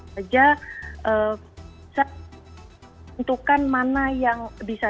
bisa tentukan mana yang bisa